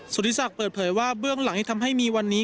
สุธิศักดิ์เปิดเผยว่าเบื้องหลังที่ทำให้มีวันนี้